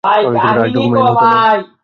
আরেকটু ঘুমিয়ে নিলে হত না?